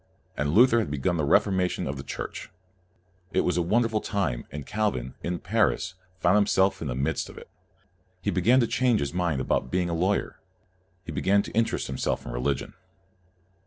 And Luther had begun the Reformation of the Church. It was a wonderful time, and Calvin, in Paris, found himself in the midst of it. He be gan to change his mind about being a lawyer. He began to interest himself in religion.